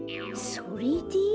それで？